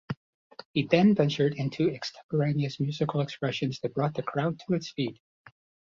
He then ventured into extemporaneous musical expressions that brought the crowd to its feet.